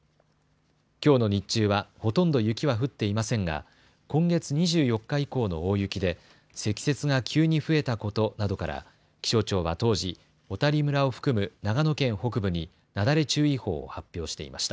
きょうの日中はほとんど雪は降っていませんが今月２４日以降の大雪で積雪が急に増えたことなどから気象庁は当時、小谷村を含む長野県北部になだれ注意報を発表していました。